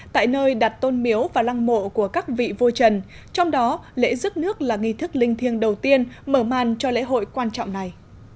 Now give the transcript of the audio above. tại nơi đặt tôn biếu và lăng mộ của các vị vua trần trong đó lễ rước nước là nghi thức linh thiêng đầu tiên mở màn cho lễ hội quan trọng này